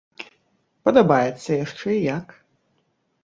Падабаецца, яшчэ і як!